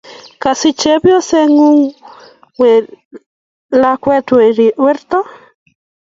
kasich chepyoseng'ung' lakwet werto!